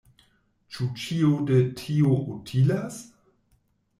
Ĉu ĉio de tio utilas?